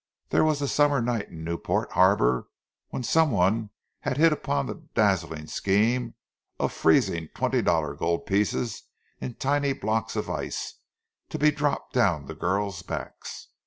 There was the summer night in Newport harbour, when some one had hit upon the dazzling scheme of freezing twenty dollar gold pieces in tiny blocks of ice, to be dropped down the girls' backs!